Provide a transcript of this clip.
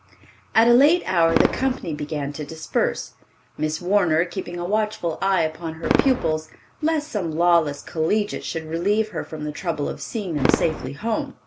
At a late hour the company began to disperse, Miss Warner keeping a watchful eye upon her pupils, lest some lawless collegiate should relieve her from the trouble of seeing them safely home.